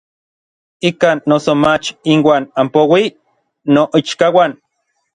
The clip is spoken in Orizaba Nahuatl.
Ikan noso mach inuan anpouij n noichkauan.